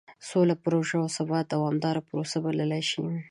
سوله پروژه او ثبات دومداره پروسه بللی شي.